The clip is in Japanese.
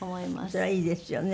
それはいいですよね。